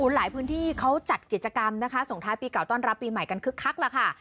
หลายพื้นที่เขาจัดกิจกรรมนะคะส่งท้ายปีเก่าต้อนรับปีใหม่กันคึกคักแล้วค่ะ